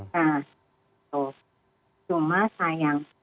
nah itu cuma sayang